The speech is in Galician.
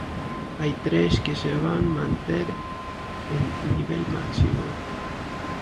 Hai tres que se van manter en nivel máximo.